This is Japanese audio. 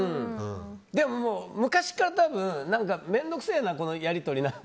でも昔から多分面倒くさいな、このやりとり。